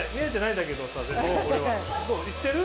行ってる？